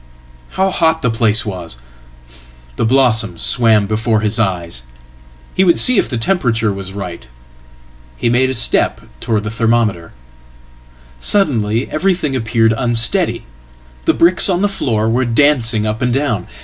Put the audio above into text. How hot theplace was! The blossoms swam before his eyes. He would see if the temperature was right. He made a step towards thethermometer. Suddenly everything appeared unsteady. The bricks on thefloor were dancing up and down.